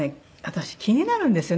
私気になるんですよね